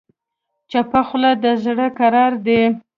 چپه خوله، د زړه قرار دی.